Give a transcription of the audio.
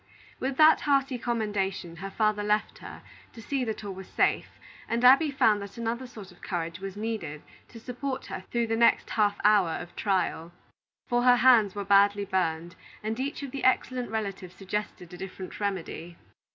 With that hearty commendation, her father left her, to see that all was safe, and Abby found that another sort of courage was needed to support her through the next half hour of trial; for her hands were badly burned, and each of the excellent relatives suggested a different remedy.